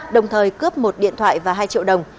đồng thời cướp một điện thoại và hai triệu đồng